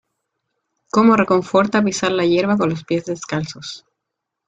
Como reconforta pisar la hierba con los pies descalzos